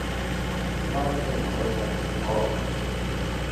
Kwato inaweza kungoka